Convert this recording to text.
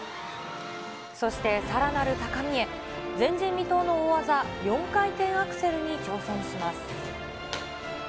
そして、さらなる高みへ、前人未到の大技、４回転アクセルに挑戦します。